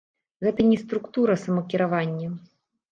Гэта не структура самакіравання.